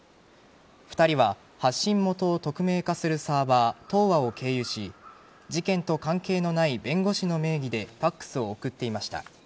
２人は発信元を匿名化するサーバー・Ｔｏｒを経由し事件と関係のない弁護士の名義でファックスを送っていました。